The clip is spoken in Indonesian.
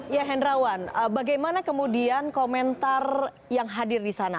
ya hendrawan bagaimana kemudian komentar yang hadir di sana